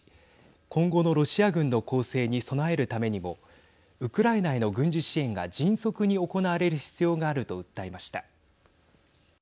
今後のロシア軍の攻勢に備えるためにもウクライナへの軍事支援が迅速に行われる必要があると訴えました。